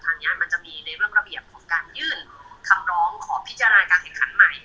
อย่างนี้มันจะมีในเรื่องระเบียบของการยื่นคำร้องขอพิจารณาการแข่งขันใหม่